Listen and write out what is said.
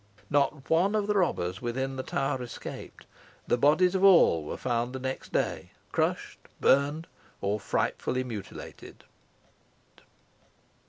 Not one of the robbers within the tower escaped. The bodies of all were found next day, crushed, burned, or frightfully mutilated.